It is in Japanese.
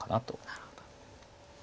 なるほど。